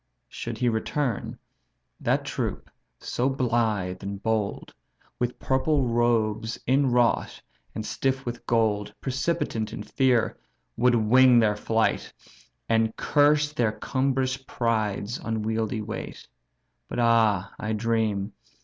Should he return, that troop so blithe and bold, With purple robes inwrought, and stiff with gold, Precipitant in fear would wing their flight, And curse their cumbrous pride's unwieldy weight. But ah, I dream!